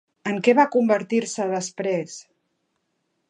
En què va convertir-se després?